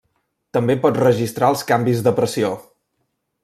També pot registrar els canvis de pressió.